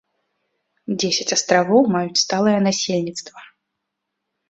Дзесяць астравоў маюць сталае насельніцтва.